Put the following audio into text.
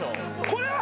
これは！